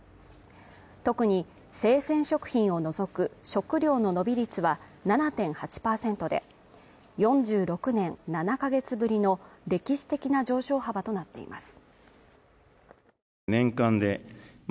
特に生鮮食品を除く食料伸び率は７．８％で、４６年７ヶ月ぶりの歴史的な上昇幅となっています。